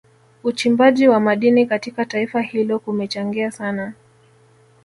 Uchimbaji wa madini katika taifa hilo kumechangia sana